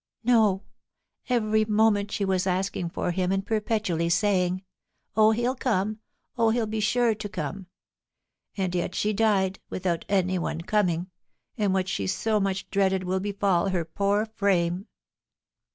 "No. Every moment she was asking for him and perpetually saying, 'Oh, he'll come! Oh, he'll be sure to come!' And yet she died without any one coming, and what she so much dreaded will befall her poor frame.